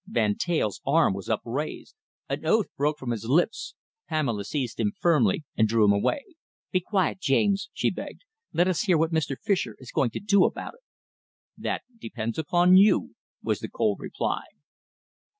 Van Teyl's arm was upraised. An oath broke from his lips. Pamela seized him firmly and drew him away. "Be quiet, James," she begged. "Let us hear what Mr. Fischer is going to do about it." "That depends upon you," was the cold reply.